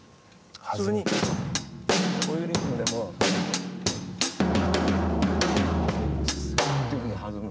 普通にこういうリズムでも。っていうふうに弾む。